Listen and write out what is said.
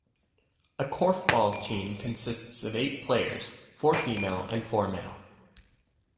A korfball team consists of eight players; four female and four male.